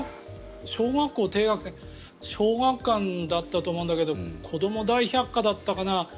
小学校低学年小学館だったと思うんだけど「子ども大百科」だったかな。